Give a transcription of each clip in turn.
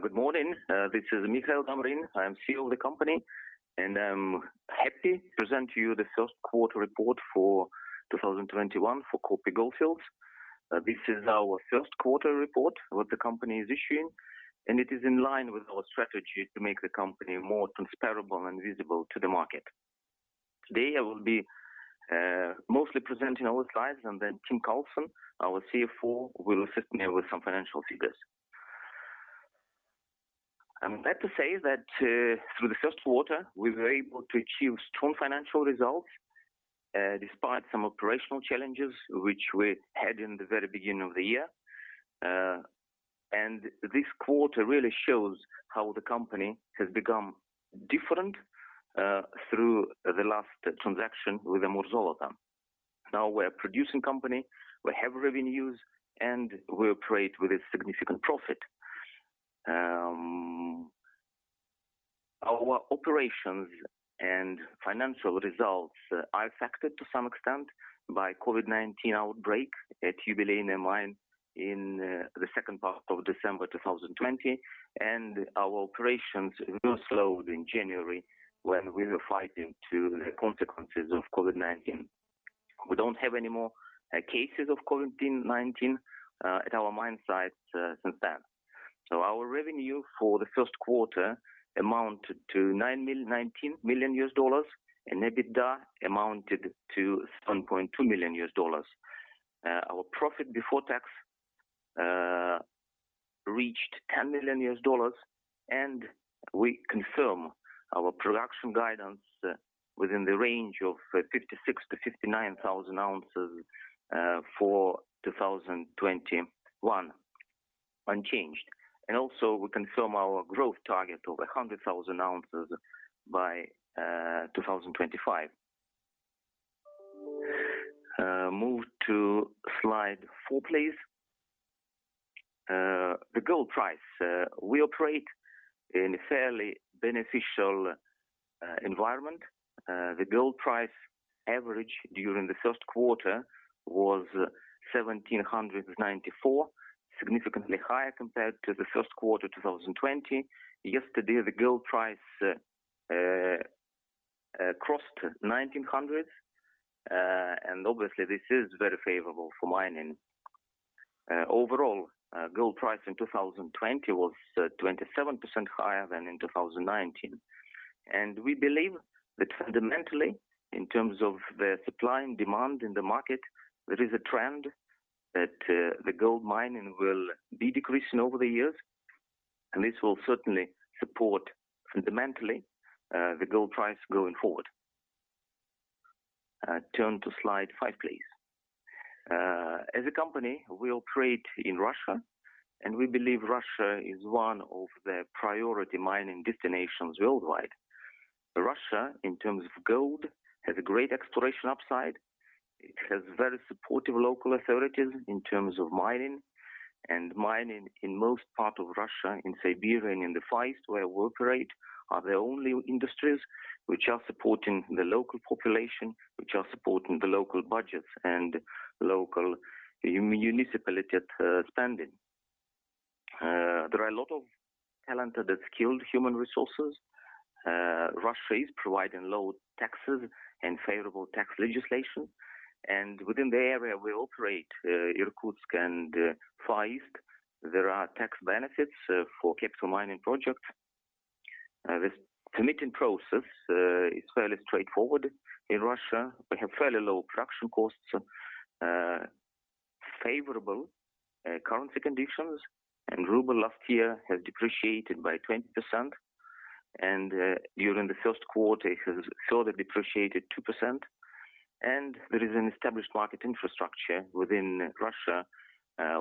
Good morning. This is Mikhail Damrin. I am CEO of the company, and I'm happy to present to you the first quarter report for 2021 for Kopy Goldfields. This is our first quarter report that the company is issuing, and it is in line with our strategy to make the company more transparent and visible to the market. Today, I will be mostly presenting our slides, and then Tim Carlsson, our CFO, will assist me with some financial figures. I'm glad to say that through the first quarter, we were able to achieve strong financial results despite some operational challenges, which we had in the very beginning of the year. This quarter really shows how the company has become different through the last transaction with Amur Zoloto. Now, we are a producing company with heavy revenues, and we operate with a significant profit. Our operations and financial results are affected to some extent by COVID-19 outbreak at Yubileyniy mine in the second part of December 2020, and our operations were slowed in January when we were fighting the consequences of COVID-19. We don't have any more cases of COVID-19 at our mine sites since then. Our revenue for the first quarter amounted to $19 million, and EBITDA amounted to $7.2 million. Our profit before tax reached $10 million, and we confirm our production guidance within the range of 56,000-59,000 ounces for 2021 unchanged. Also, we confirm our growth target of 100,000 ounces by 2025. Move to slide four, please. The gold price. We operate in a fairly beneficial environment. The gold price average during the first quarter was $1,794, significantly higher compared to the first quarter 2020. Yesterday, the gold price crossed $1,900, obviously, this is very favorable for mining. Overall, gold price in 2020 was 27% higher than in 2019. We believe that fundamentally, in terms of the supply and demand in the market, there is a trend that the gold mining will be decreasing over the years, and this will certainly support fundamentally the gold price going forward. Turn to slide five, please. As a company, we operate in Russia, and we believe Russia is one of the priority mining destinations worldwide. Russia, in terms of gold, has a great exploration upside. It has very supportive local authorities in terms of mining, and mining in most parts of Russia, in Siberia and in the Far East, where we operate, are the only industries which are supporting the local population, which are supporting the local budgets and local municipalities spending. There are a lot of talented, skilled human resources. Russia is providing low taxes and favorable tax legislation. Within the area we operate, Irkutsk and Far East, there are tax benefits for capital mining projects. The permitting process is fairly straightforward in Russia. We have fairly low production costs, favorable currency conditions, and ruble last year has depreciated by 20%. During the first quarter, it has further depreciated 2%. There is an established market infrastructure within Russia,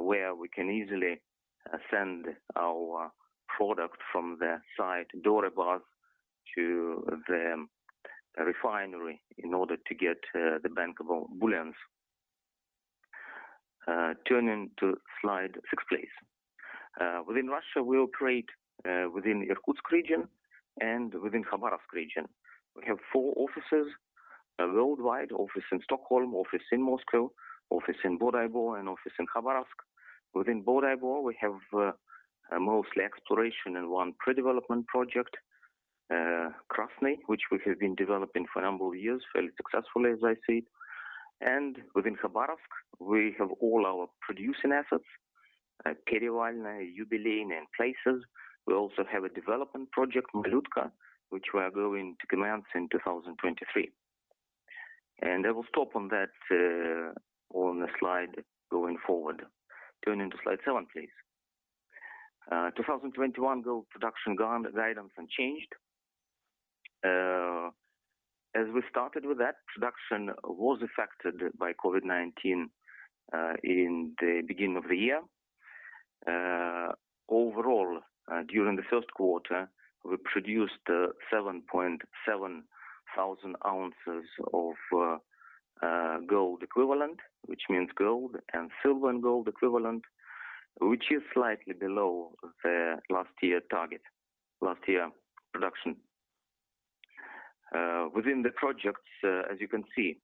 where we can easily send our product from the site Doré bars to the refinery in order to get the bankable bullions. Turning to slide six, please. Within Russia, we operate within Irkutsk region and within Khabarovsk region. We have four offices worldwide, office in Stockholm, office in Moscow, office in Bodaibo, and office in Khabarovsk. Within Bodaibo, we have mostly exploration and one pre-development project, Krasny, which we have been developing for a number of years, fairly successfully as I said. Within Khabarovsk, we have all our producing assets at Perevalnoe, Yubileyniy, and placers. We also have a development project, Malyutka, which we are going to commence in 2023. I will stop on that on the slide going forward. Turning to slide seven, please. 2021 gold production guidance unchanged. As we started with that, production was affected by COVID-19 in the beginning of the year. Overall, during the first quarter, we produced 7.7 thousand ounces of gold equivalent, which means gold and silver and gold equivalent, which is slightly below the last year production. Within the projects, as you can see,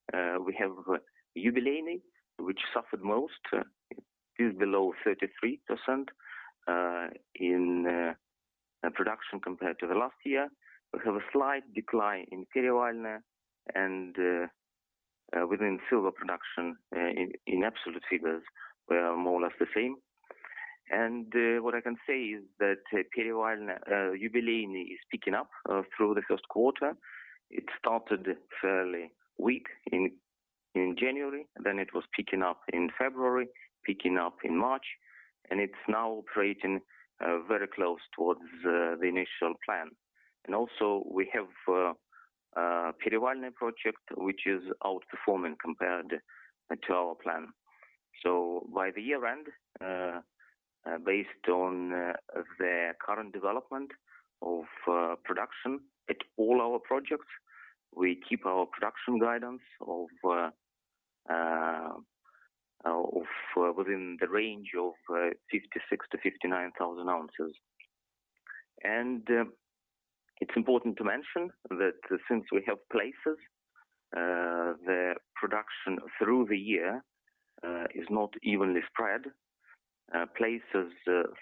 we have Yubileyniy, which suffered most. It is below 33% in production compared to the last year. We have a slight decline in Perevalnoye and within silver production in absolute figures, we are more or less the same. What I can say is that Yubileyniy is picking up through the first quarter. It started fairly weak in January, then it was picking up in February, picking up in March, and it's now trading very close towards the initial plan. Also we have Perevalnoye project, which is outperforming compared to our plan. By the year-end, based on the current development of production at all our projects, we keep our production guidance of within the range of 56,000 ounces-59,000 ounces. It's important to mention that since we have placers, the production through the year is not evenly spread. Placers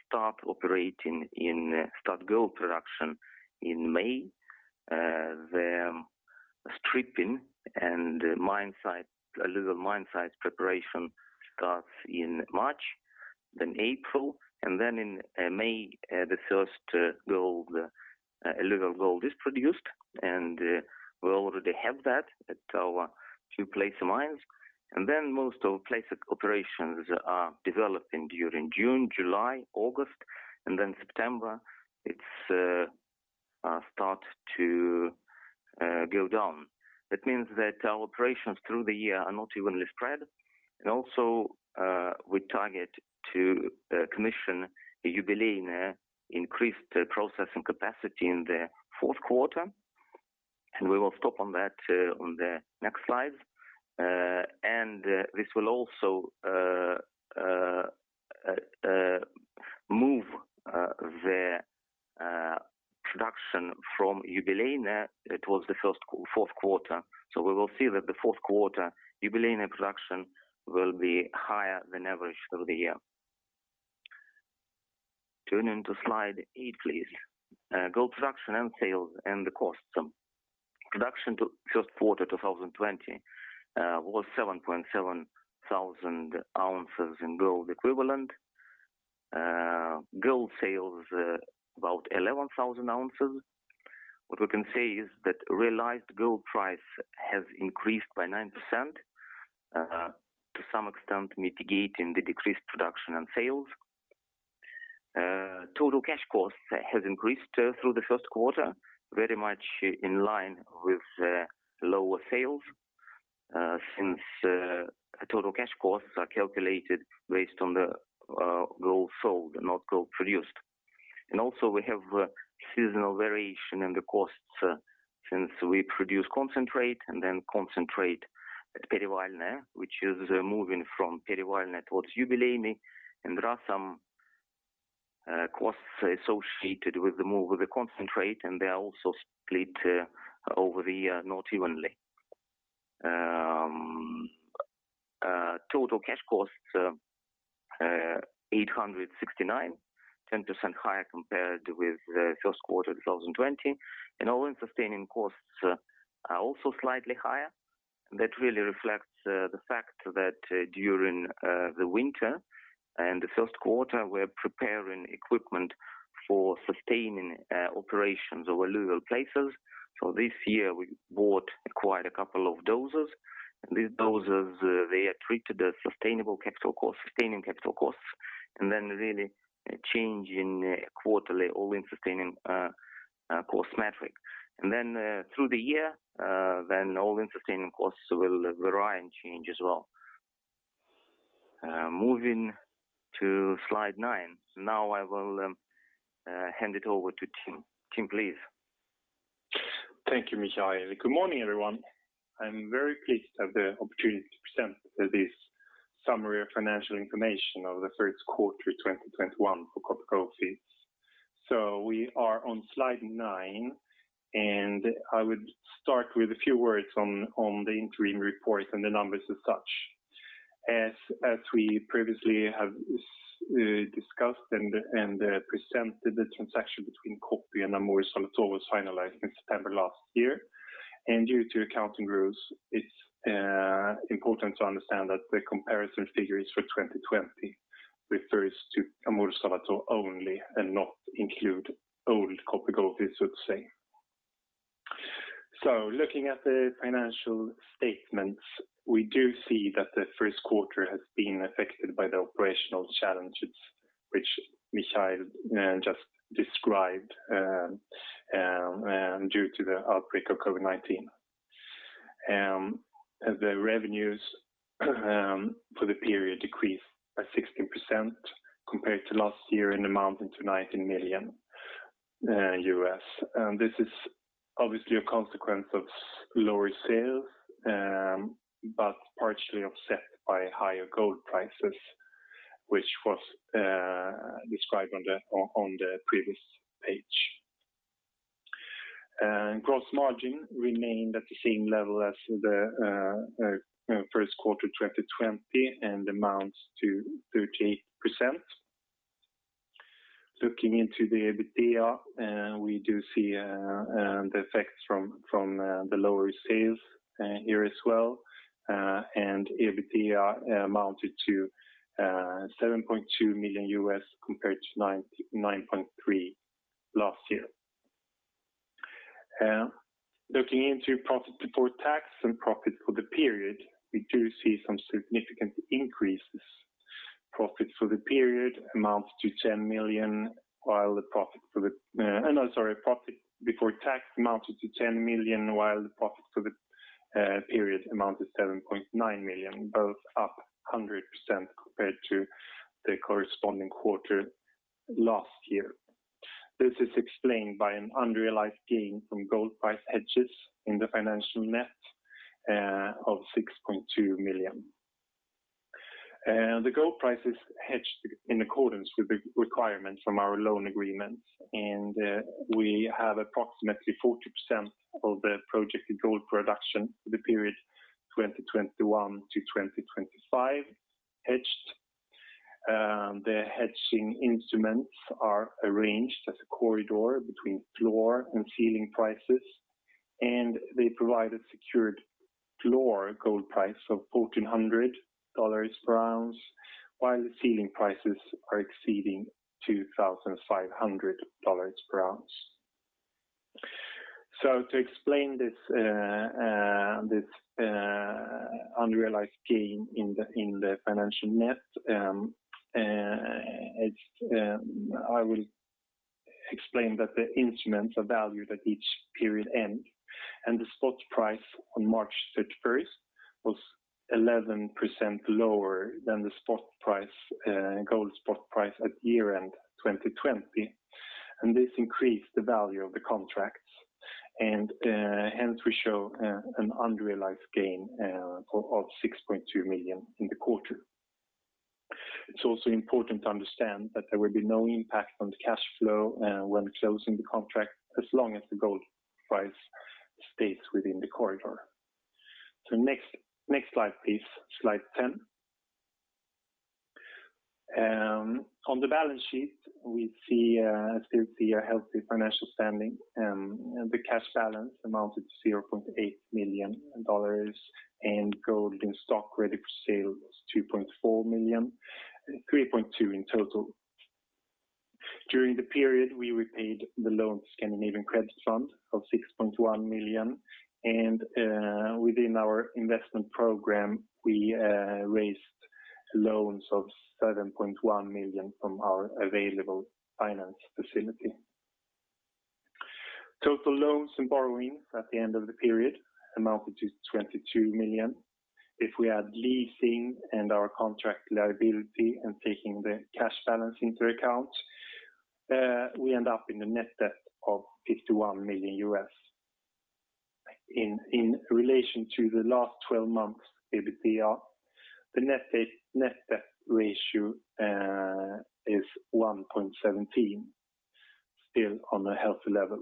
start gold production in May. The stripping and a little mine site preparation starts in March, then April, then in May, the first little gold is produced, we already have that at our two placer mines. Most of our placer operations are developing during June, July, August, then September, it starts to build on. That means that our operations through the year are not evenly spread. Also, we target to commission Yubileyniy increased processing capacity in the fourth quarter, we will stop on that on the next slide. This will also move the production from Yubileyniy towards the fourth quarter. We will see that the fourth quarter Yubileyniy production will be higher than average through the year. Turning to slide eight, please. Gold production and sales and the cost. Production first quarter 2020 was 7.7 thousand ounces in gold equivalent. Gold sales about 11,000 ounces. What we can say is that realized gold price has increased by 9%, to some extent mitigating the decreased production and sales. Total cash costs have increased through the first quarter, very much in line with lower sales since total cash costs are calculated based on the gold sold and not gold produced. Also, we have seasonal variation in the costs since we produce concentrate and then concentrate at Perevalnoye, which is moving from Perevalnoye towards Yubileyniy, and there are some costs associated with the move of the concentrate, and they are also split over the year not evenly. Total cash costs, $869, 10% higher compared with first quarter 2020. All-in sustaining costs are also slightly higher. That really reflects the fact that during the winter and the first quarter, we're preparing equipment for sustaining operations over local places. This year we bought quite a couple of dozers. These dozers, they are treated as sustainable capital costs, and then really changing quarterly all-in sustaining cost metric. Through the year, then all-in sustaining costs will vary and change as well. Moving to slide nine. Now, I will hand it over to Tim. Tim, please. Thank you, Mikhail. Good morning, everyone. I am very pleased to have the opportunity to present this summary of financial information of the first quarter 2021 for Kopy Goldfields. We are on slide nine, and I would start with a few words on the interim report and the numbers as such. As we previously have discussed and presented, the transaction between Kopy and Amur Zoloto was finalized in September last year. Due to accounting rules, it is important to understand that the comparison figures for 2020 refers to Amur Zoloto only and not include old Kopy Goldfields as such. Looking at the financial statements, we do see that the first quarter has been affected by the operational challenges, which Mikhail just described due to the outbreak of COVID-19. The revenues for the period decreased by 16% compared to last year and amounted to $19 million. This is obviously a consequence of lower sales, but partially offset by higher gold prices, which was described on the previous page. Gross margin remained at the same level as the first quarter of 2020 and amounts to 38%. Looking into the EBITDA, we do see the effect from the lower sales here as well, and EBITDA amounted to $7.2 million compared to $9.3 last year. Looking into profit before tax and profit for the period, we do see some significant increases. Profit before tax amounted to $10 million, while the profit for the period amounted to $7.9 million, both up 100% compared to the corresponding quarter last year. This is explained by an unrealized gain from gold price hedges in the financial net of $6.2 million. The gold price is hedged in accordance with the requirements from our loan agreement, and we have approximately 40% of the projected gold production for the period 2021 to 2025 hedged. The hedging instruments are arranged as a corridor between floor and ceiling prices, and they provide a secured floor gold price of $1,400 per ounce, while the ceiling prices are exceeding $2,500 per ounce. To explain this unrealized gain in the financial net, I will explain that the instruments are valued at each period end, and the spot price on March 31st was 11% lower than the gold spot price at year-end 2020. This increased the value of the contracts, and hence we show an unrealized gain of $6.2 million in the quarter. It's also important to understand that there will be no impact on the cash flow when closing the contract as long as the gold price stays within the corridor. Next slide, please. Slide 10. On the balance sheet, we still see a healthy financial standing, and the cash balance amounted to $0.8 million, and gold in stock ready for sale was $3.2 million in total. During the period, we repaid the loan to Scandinavian Credit Fund of $6.1 million, and within our investment program, we raised loans of $7.1 million from our available finance facility. Total loans and borrowings at the end of the period amounted to $22 million. If we add leasing and our contract liability and taking the cash balance into account, we end up in a net debt of $51 million. In relation to the last 12 months EBITDA, the net debt ratio is 1.17, still on a healthy level.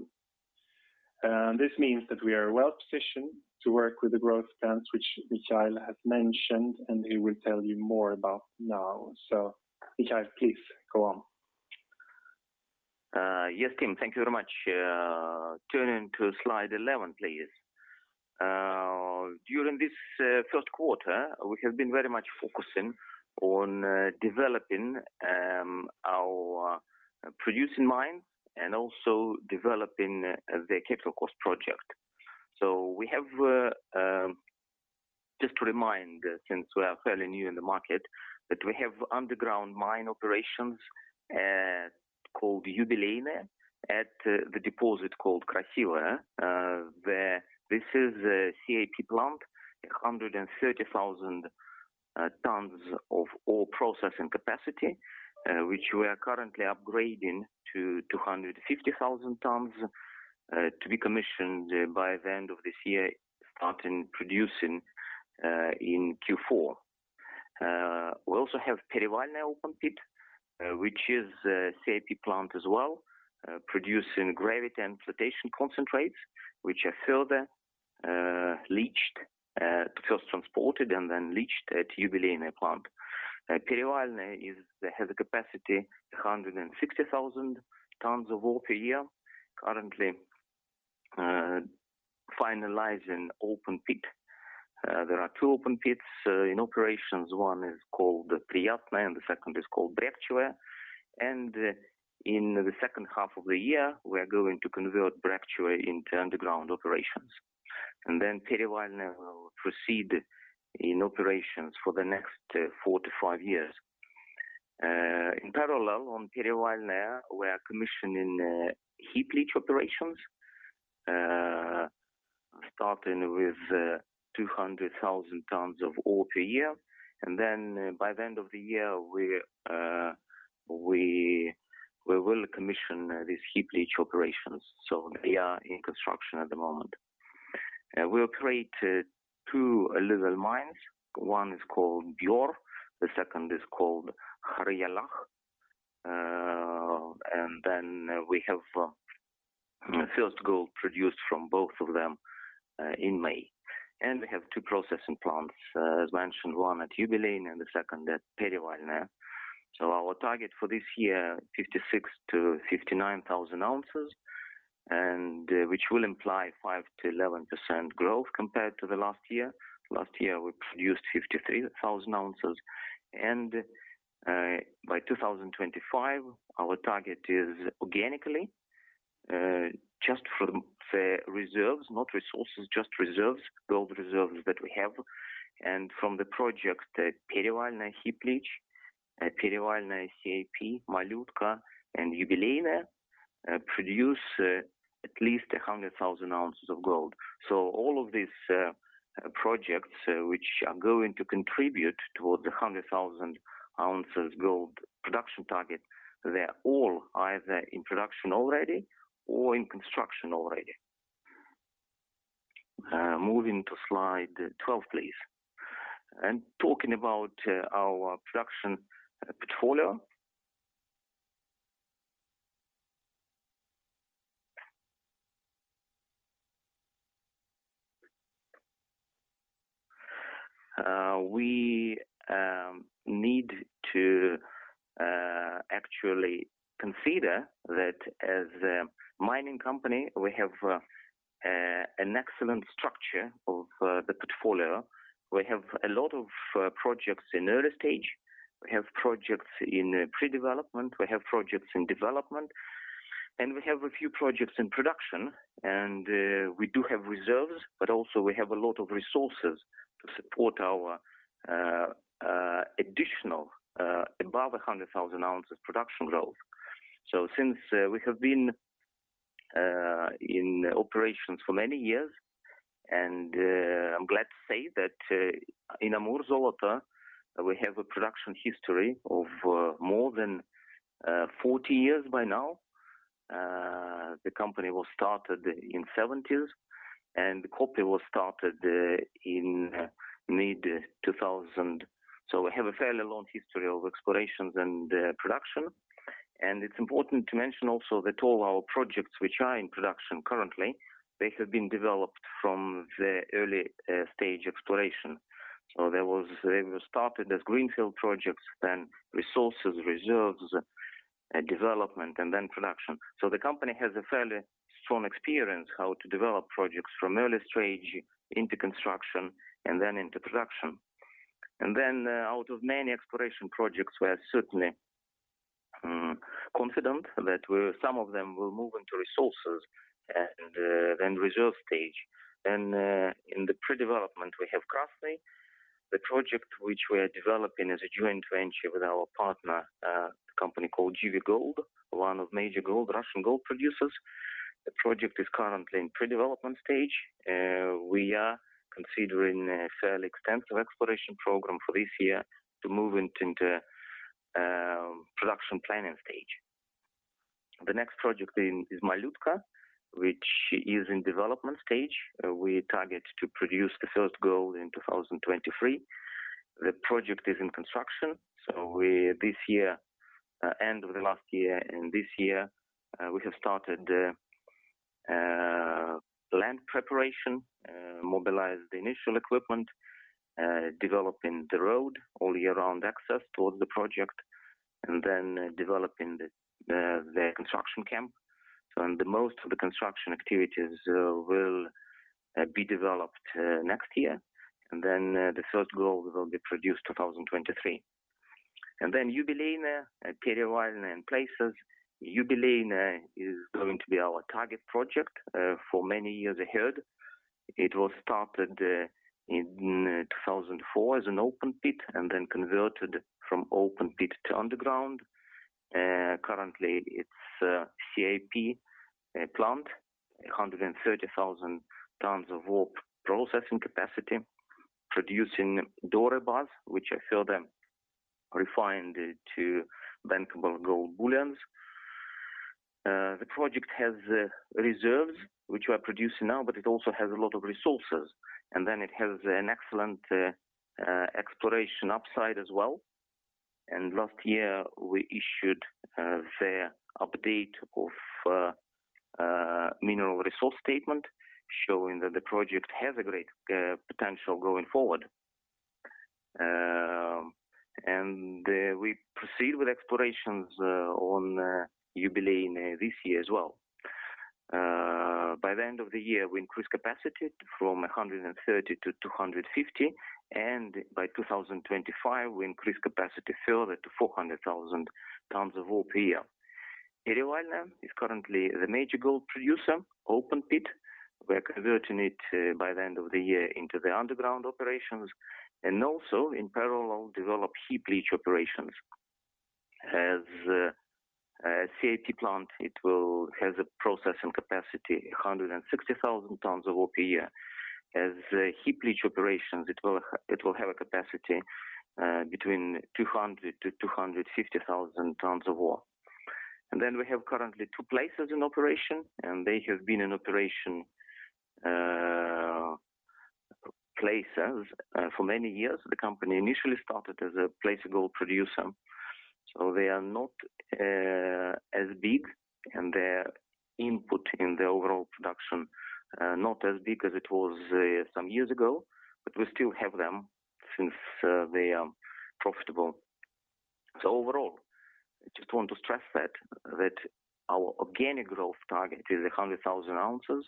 This means that we are well-positioned to work with the growth plans, which Mikhail has mentioned, and he will tell you more about now. Mikhail, please, go on. Yes, Tim, thank you very much. Turning to slide 11, please. During this first quarter, we have been very much focusing on developing our producing mine and also developing the [capital cost] project. Just a reminder, since we are fairly new in the market, that we have underground mine operations called Yubileyniy at the deposit called Krasivoye. This is a CIP plant, 130,000 tons of ore processing capacity, which we are currently upgrading to 250,000 tons to be commissioned by the end of this year, starting producing in Q4. We also have Perevalnoe open pit, which is a CIP plant as well, producing gravity and flotation concentrates, which are first transported and then leached at Yubileyniy plant. Perevalnoe has a capacity of 160,000 tons of ore per year, currently finalizing open pit. There are two open pits in operations. One is called Priyatnoe and the second is called Brekchiyevaya. In the second half of the year, we are going to convert Brekchiyevaya into underground operations. Then, Perevalnoe will proceed in operations for the next four to five years. In parallel, on Perevalnoe, we are commissioning heap leach operations, starting with 200,000 tons of ore per year. By the end of the year, we will commission these heap leach operations. They are in construction at the moment. We operate two little mines. One is called Buor, the second is called Khayarylakh. We have the first gold produced from both of them in May. We have two processing plants, as mentioned, one at Yubileyniy and the second at Perevalnoye. Our target for this year, 56,000-59,000 ounces, which will imply 5%-11% growth compared to the last year. Last year, we produced 53,000 ounces. By 2025, our target is organically, just from reserves, not resources, just reserves, gold reserves that we have, and from the project at Perevalnoe heap leach, Perevalnoe CIP, Malyutka, and Yubileyniy produce at least 100,000 ounces of gold. All of these projects which are going to contribute toward the 100,000 ounces gold production target, they're all either in production already or in construction already. Moving to slide 12, please. Talking about our production portfolio. We need to actually consider that as a mining company, we have an excellent structure of the portfolio. We have a lot of projects in early stage. We have projects in pre-development. We have projects in development. We have a few projects in production. We do have reserves, but also we have a lot of resources to support our additional above 100,000 ounces production growth. Since we have been in operation for many years, and I'm glad to say that in Amur Zoloto, we have a production history of more than 40 years by now. The company was started in the 1970s, and Kopy was started in mid-2000s. We have a fairly long history of explorations and production. It's important to mention also that all our projects which are in production currently, they have been developed from the early stage exploration. They were started as greenfield projects, then resources, reserves, and development, and then production. The company has a fairly strong experience how to develop projects from early stage into construction and then into production. Out of many exploration projects, we are certainly confident that some of them will move into resources and then reserve stage. In the pre-development, we have Krasny. The project which we are developing is a joint venture with our partner, a company called GV Gold, one of major Russian gold producers. The project is currently in pre-development stage. We are considering a fairly extensive exploration program for this year to move into production planning stage. The next project is Malyutka, which is in development stage. We target to produce the first gold in 2023. The project is in construction. End of the last year and this year, we have started the land preparation, mobilized initial equipment, developing the road, all-year round access toward the project, and then developing the construction camp. Most of the construction activities will be developed next year, and then the first gold will be produced 2023. Yubileynoye and Perevalnoye in placers. Yubileynoye is going to be our target project for many years ahead. It was started in 2004 as an open pit and then converted from open pit to underground. Currently, it's a CIP plant, 130,000 tons of ore processing capacity, producing Doré bars, which are further refined to bankable gold bullions. The project has reserves which we are producing now, but it also has a lot of resources, and then it has an excellent exploration upside as well. Last year, we issued the update of mineral resource statement showing that the project has a great potential going forward. We proceed with explorations on Yubileyniy this year as well. By the end of the year, we increase capacity from 130,000 to 250,000, and by 2025, we increase capacity further to 400,000 tons of ore per year. Perevalnoye is currently the major gold producer, open pit. We are converting it by the end of the year into the underground operations, and also in parallel, develop heap leach operations. As a CIP plant, it has a processing capacity of 160,000 tons of ore per year. As heap leach operations, it will have a capacity between 200,000 to 250,000 tons of ore. We have currently two placers in operation, and they have been in operation placers for many years. The company initially started as a placer gold producer, so they are not as big in their input in the overall production. Not as big as it was some years ago, but we still have them since they are profitable. Overall, I just want to stress that our organic growth target is 100,000 ounces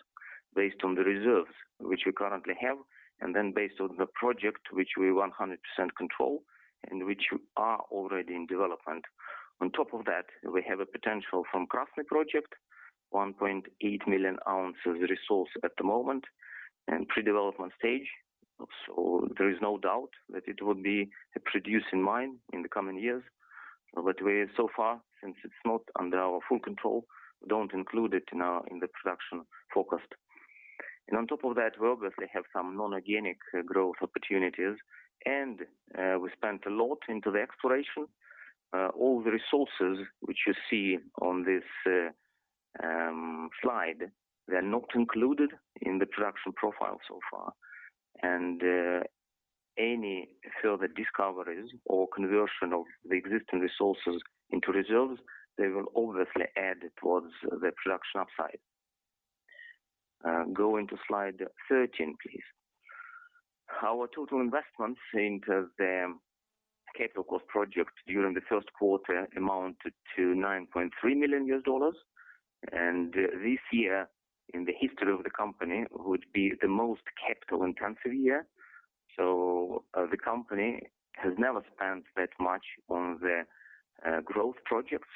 based on the reserves which we currently have, and then based on the project which we 100% control and which are already in development. On top of that, we have a potential from Krasny project, 1.8 million ounces resource at the moment in pre-development stage. There is no doubt that it will be a producing mine in the coming years. So far, since it's not under our full control, we don't include it now in the production forecast. On top of that, we obviously have some non-organic growth opportunities, and we spent a lot into the exploration. All the resources which you see on this slide, they're not included in the production profile so far. Any further discoveries or conversion of the existing resources into reserves, they will obviously add towards the production upside. Going to slide 13, please. Our total investments into the capital projects during the first quarter amounted to $9.3 million. This year in the history of the company would be the most capital-intensive year. The company has never spent that much on the growth projects,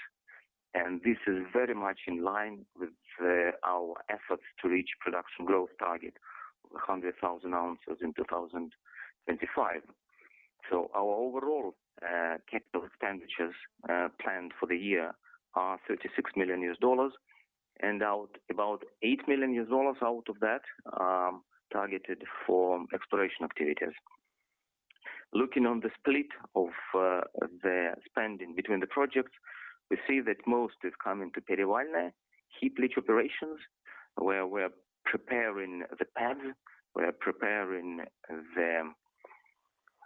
and this is very much in line with our efforts to reach production growth target of 100,000 ounces in 2025. Our overall capital expenditures planned for the year are $36 million, and about $8 million out of that are targeted for exploration activities. Looking on the split of the spending between the projects, we see that most is coming to [Perevalnoe] heap leach operations, where we're preparing the pads, we are preparing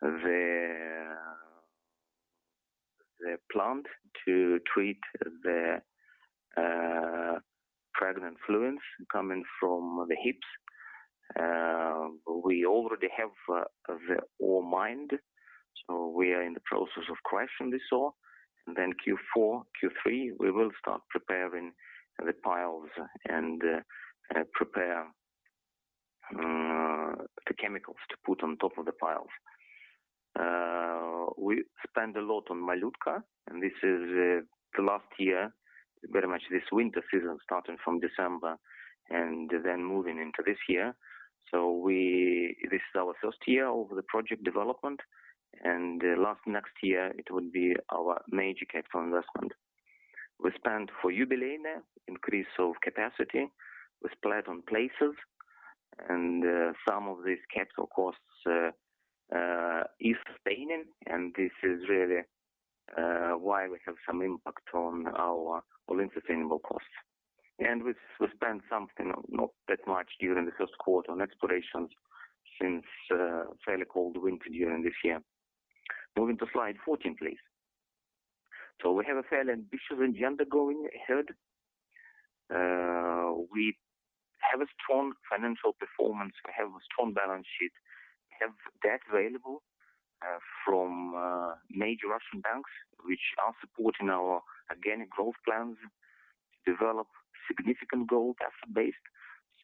the plant to treat the pregnant fluids coming from the heaps. We already have the ore mined, we are in the process of crushing this ore. Then, Q4, Q3, we will start preparing the piles and prepare the chemicals to put on top of the piles. We spent a lot on Malyutka, this is the last year, very much this winter season, starting from December and then moving into this year. This is our first year of the project development, next year it will be our major capital investment. We spent for Yubileyniy increase of capacity. We spent on placers and some of these capital costs is sustaining, this is really why we have some impact on our all-in sustaining costs. We spent something, not that much during the first quarter on explorations since fairly cold winter during this year. Moving to slide 14, please. We have a fairly busy year undergoing ahead. We have a strong financial performance. We have a strong balance sheet, have debt available from major Russian banks, which are supporting our organic growth plans to develop significant gold asset base.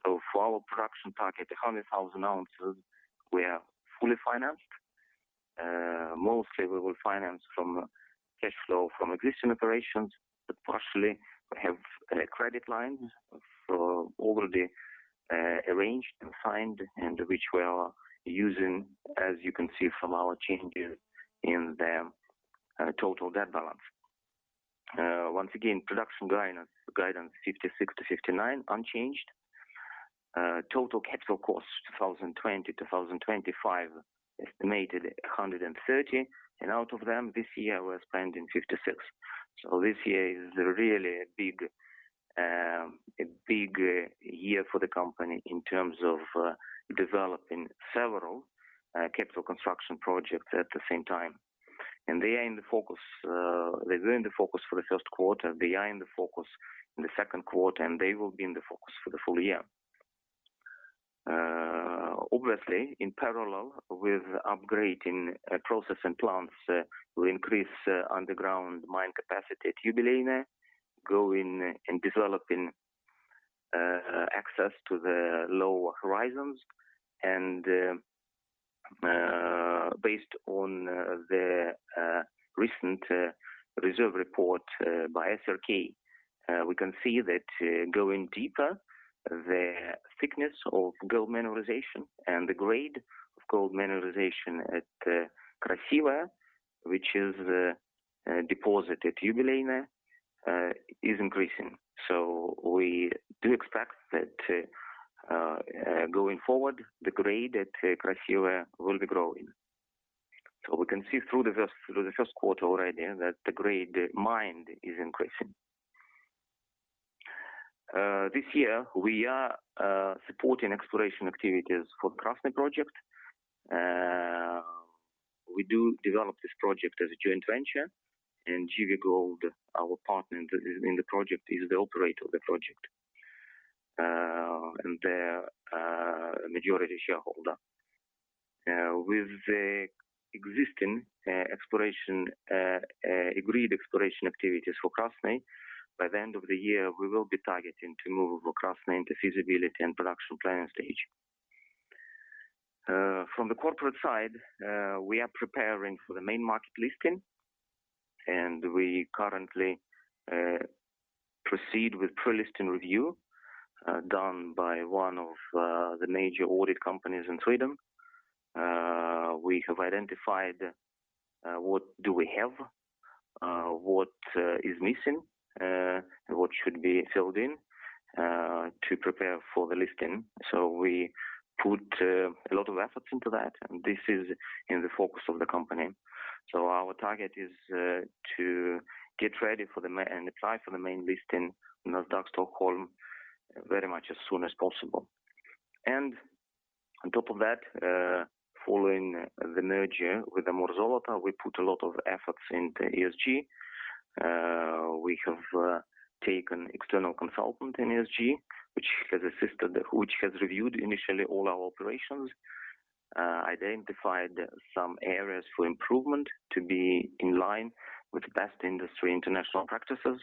For our production target of 100,000 ounces, we are fully financed. Mostly, we will finance from cash flow from existing operations, but partially we have a credit line already arranged and signed, and which we are using as you can see from our changes in the total debt balance. Once again, production guidance 56 to 59 unchanged. Total capital costs 2020-2025 estimated at $130, out of them this year we're spending $56. This year is really a big year for the company in terms of developing several capital construction projects at the same time. They're going to focus for the first quarter, they are in the focus in the second quarter, and they will be in the focus for the full year. Obviously, in parallel with upgrading processing plants, we increase underground mine capacity at Yubileyniy, growing and developing access to the lower horizons and based on the recent reserve report by SRK. We can see that going deeper, the thickness of gold mineralization and the grade of gold mineralization at Krasivoye, which is the deposit at Yubileyniy, is increasing. We do expect that going forward, the grade at Krasivoye will be growing. We can see through the first quarter already that the grade mined is increasing. This year, we are supporting exploration activities for the Krasny project. We do develop this project as a joint venture. GV Gold, our partner in the project, is the operator of the project and the majority shareholder. With the existing agreed exploration activities for Krasny, by the end of the year, we will be targeting to move Krasny into feasibility and production planning stage. From the corporate side, we are preparing for the main market listing. We currently proceed with pre-listing review done by one of the major audit companies in Sweden. We have identified what do we have, what is missing, what should be filled in to prepare for the listing. We put a lot of effort into that. This is in the focus of the company. Our target is to get ready and apply for the main listing on Nasdaq Stockholm very much as soon as possible. On top of that, following the merger with Amur Zoloto, we put a lot of efforts into ESG. We have taken external consultant in ESG, which has reviewed initially all our operations, identified some areas for improvement to be in line with best industry international practices.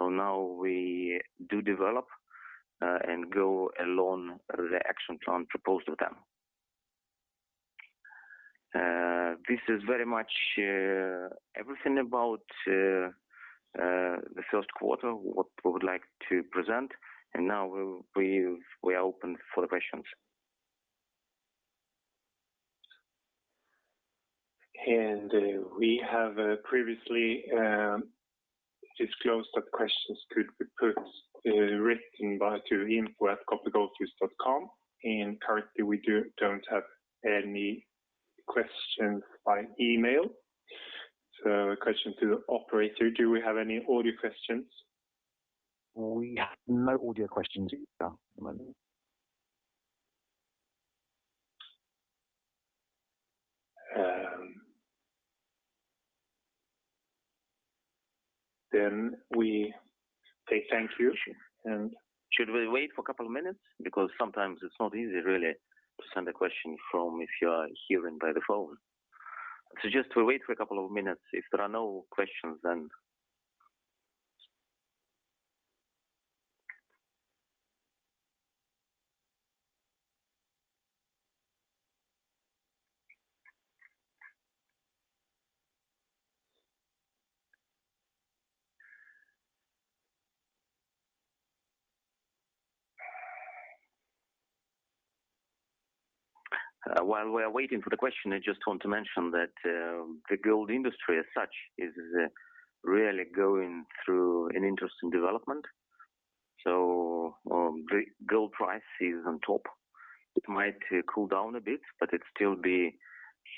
Now we do develop and go along the action plan proposed to them. This is very much everything about the first quarter, what we would like to present, and now we are open for questions. We have previously disclosed that questions could be put written by to the info@kopygoldfields.com and currently we don't have any questions by email. Question to the operator, do we have any audio questions? We have no audio questions at the moment. Then, we say thank you. Should we wait for a couple of minutes? Because sometimes it's not easy really to send a question if you are hearing by the phone. Just to wait for a couple of minutes. If there are no questions, then -- while we are waiting for the question, I just want to mention that the gold industry as such is really going through an interesting development. Gold price is on top. It might cool down a bit, but it's still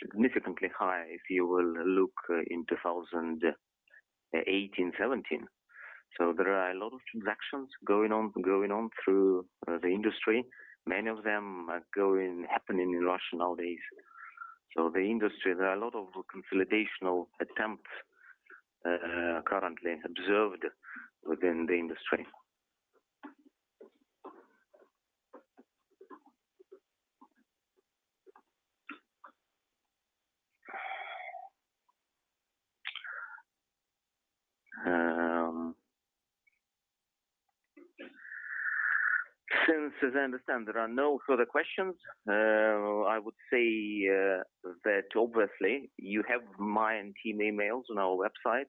significantly high if you will look in 2018, 2017. There are a lot of transactions going on through the industry. Many of them are happening in Russia nowadays. There are a lot of consolidational attempts currently observed within the industry. Since as I understand there are no further questions, I would say that obviously you have my and Tim emails on our website.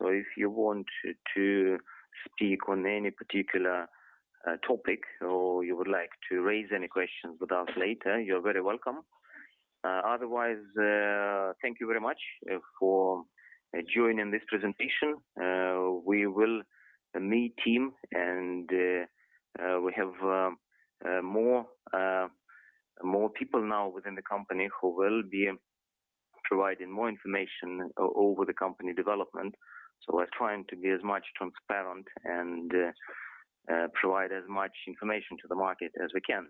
If you want to speak on any particular topic or you would like to raise any questions with us later, you're very welcome. Otherwise, thank you very much for joining this presentation. We will, me, Tim, and we have more people now within the company who will be providing more information over the company development. We're trying to be as much transparent and provide as much information to the market as we can.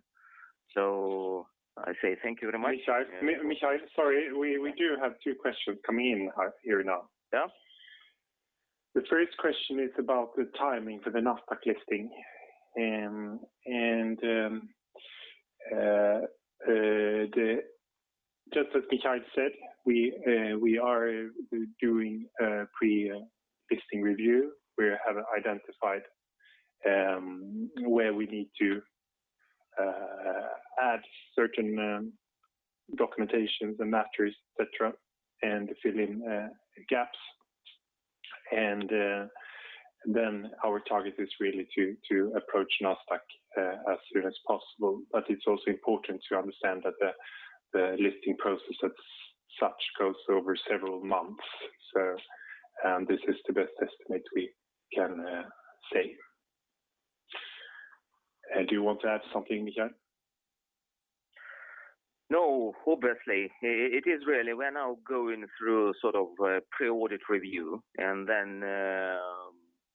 I say thank you very much. Mikhail, sorry. We do have two questions coming in here now. Yeah. The first question is about the timing for the Nasdaq listing. Just as Mikhail said, we are doing a pre-listing review. We have identified where we need to add certain documentations and matters, et cetera, and fill in gaps. Then, our target is really to approach Nasdaq as soon as possible. It's also important to understand that the listing process as such goes over several months. This is the best estimate we can say. Do you want to add something, Mikhail? No. Obviously, it is really we're now going through a sort of pre-audit review and then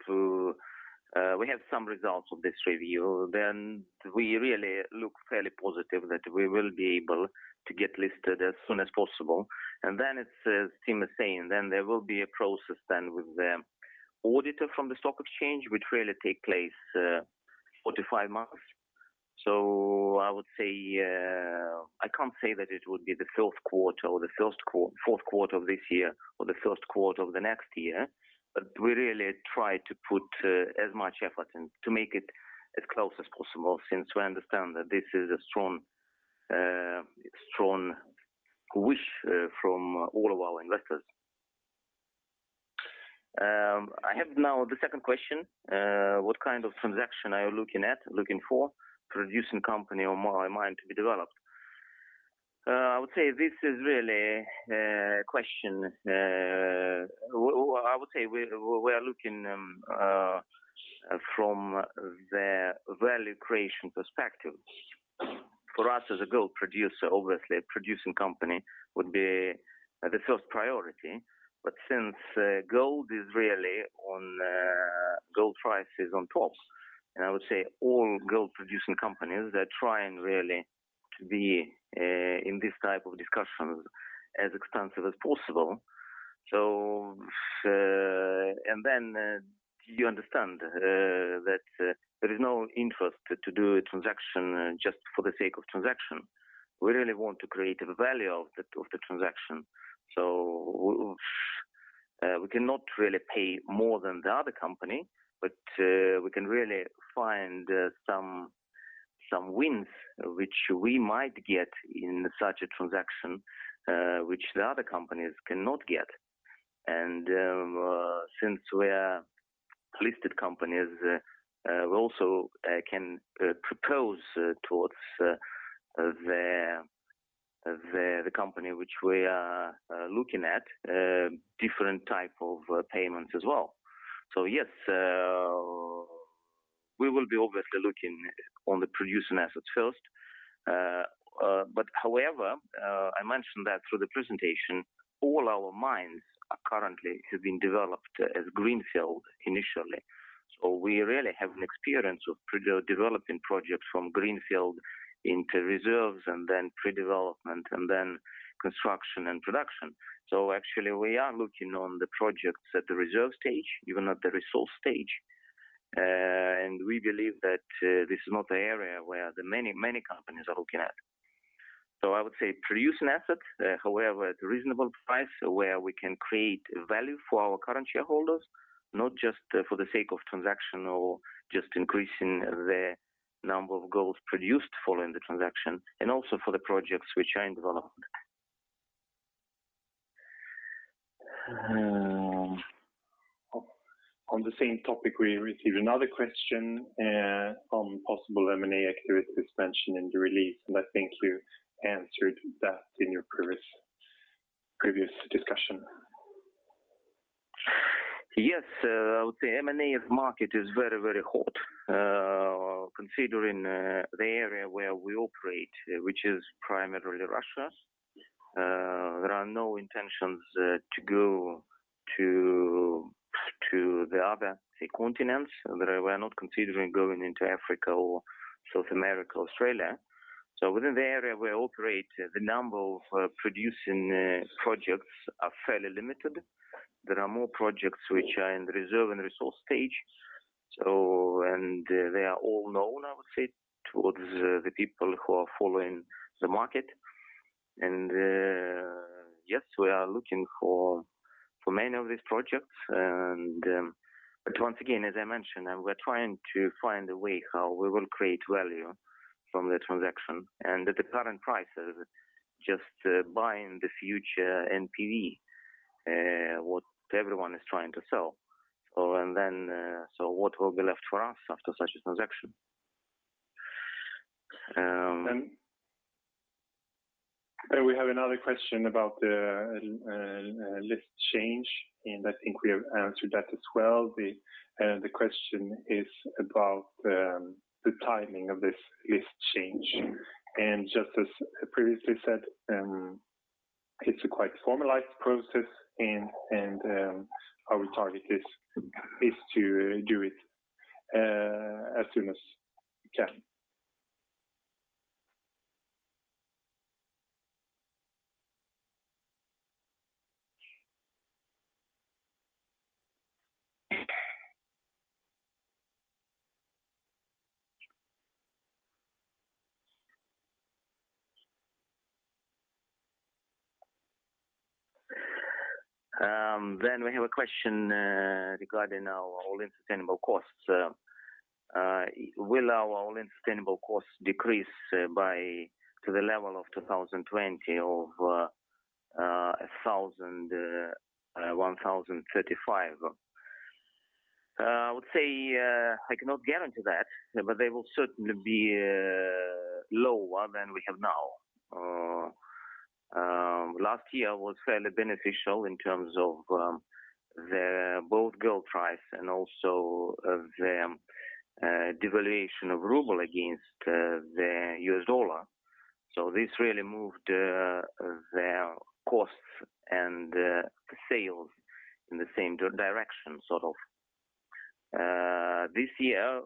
we have some results of this review, then we really look fairly positive that we will be able to get listed as soon as possible. It's as Tim was saying, then there will be a process then with the auditor from the stock exchange, which really take place four to five months. I can't say that it would be the third quarter or the fourth quarter of this year or the first quarter of the next year, but we really try to put as much effort in to make it as close as possible since we understand that this is a strong wish from all of our investors. I have now the second question. What kind of transaction are you looking at, looking for? Producing company or more mine to be developed? I would say we are looking from the value creation perspective. For us as a gold producer, obviously a producing company would be the first priority. Since gold price is on top, I would say all gold producing companies are trying really to be in this type of discussion as extensive as possible. You understand that there is no interest to do a transaction just for the sake of transaction. We really want to create a value of the transaction. We cannot really pay more than the other company, but we can really find some wins which we might get in such a transaction which the other companies cannot get. Since we are listed companies, we also can propose towards the company which we are looking at different type of payment as well. Yes, we will be obviously looking on the producing assets first. However, I mentioned that through the presentation, all our mines currently have been developed as greenfield initially. We really have an experience of developing projects from greenfield into reserves and then pre-development and then construction and production. Actually, we are looking on the projects at the reserve stage, even at the resource stage. We believe that this is not the area where the many companies are looking at. I would say producing assets, however, at a reasonable price where we can create value for our current shareholders, not just for the sake of transaction or just increasing the number of gold produced following the transaction and also for the projects which are in development. On the same topic, we received another question on possible M&A activities mentioned in the release. I think you answered that in your previous discussion. Yes. I would say M&A market is very hot. Considering the area where we operate, which is primarily Russia. There are no intentions to go to the other continents. We are not considering going into Africa or South America, Australia. Within the area we operate, the number of producing projects are fairly limited. There are more projects which are in reserve and resource stage. They are all known, I would say, towards the people who are following the market. Yes, we are looking for many of these projects. Once again, as I mentioned, we're trying to find a way how we will create value from the transaction. At the current prices, just buying the future NPV what everyone is trying to sell. What will be left for us after such a transaction? We have another question about the list change, and I think we have answered that as well. The question is about the timing of this list change. Just as previously said, it's a quite formalized process and our target is to do it as soon as we can. We have a question regarding our all-in sustaining costs. Will our all-in sustaining costs decrease to the level of 2020 of $1,035? I would say I cannot guarantee that, but they will certainly be lower than we have now. Last year was fairly beneficial in terms of both gold price and also the devaluation of ruble against the U.S. dollar. This really moved their costs and sales in the same direction. This year,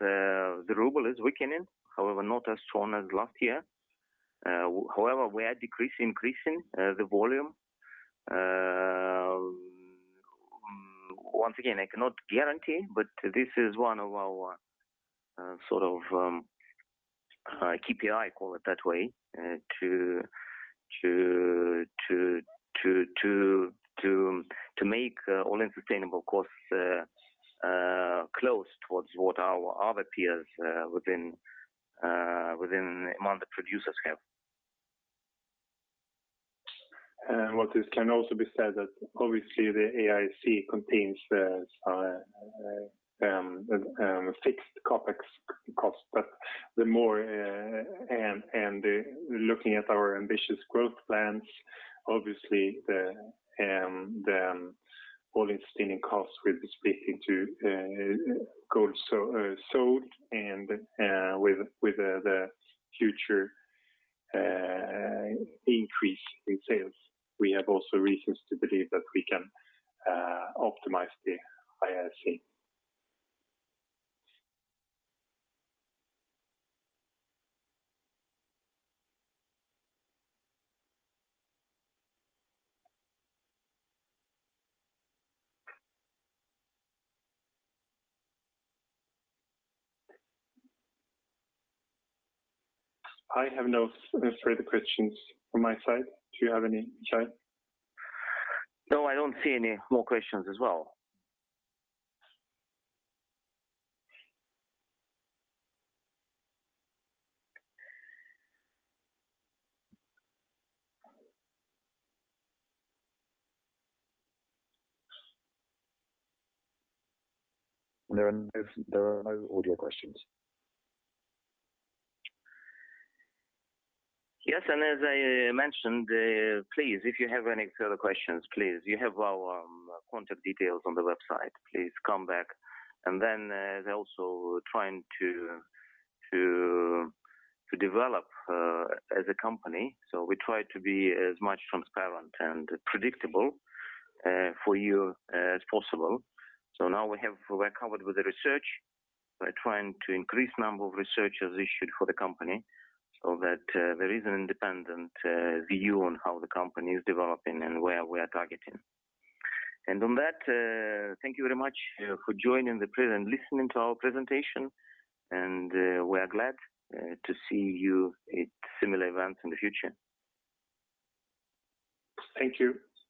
the ruble is weakening, however, not as strong as last year. However, we are decreasing the volume. Once again, I cannot guarantee, but this is one of our sort of KPI, call it that way, to make all-in sustaining costs close towards what our other peers within among the producers have. What can also be said that obviously the AISC contains some fixed CapEx cost. Looking at our ambitious growth plans, obviously the all-in sustaining costs will be speaking to gold sold and with the future increase in sales. We have also reasons to believe that we can optimize the AISC. I have no further questions on my side. Do you have any, Tim? No, I don't see any more questions as well. There are no audio questions. Yes, as I mentioned, if you have any further questions, you have our contact details on the website. Please come back. We're trying to develop as a company. We try to be as much transparent and predictable for you as possible. Now, we are covered with the research. We're trying to increase number of researches issued for the company so that there is an independent view on how the company is developing and where we are targeting. On that, thank you very much for joining the panel and listening to our presentation, and we are glad to see you at similar events in the future. Thank you.